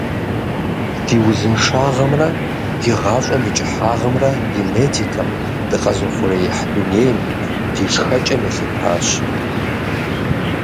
Ди узыншагъэмрэ ди гъащӀэм и кӀыхьагъымрэ генетикэм, дыкъэзыухъуреихь дунейм, ди шхэкӀэм елъытащ.